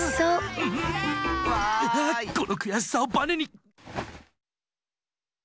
このくやしさをバネに！